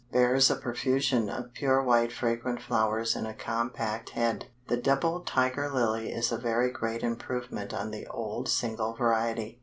Bears a profusion of pure white fragrant flowers in a compact head. The double Tiger Lily is a very great improvement on the old single variety.